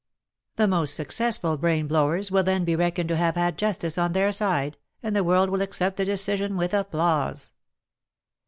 The most successful brain blowers will then be reckoned to have had justice on their side, and the world will accept the decision with applause.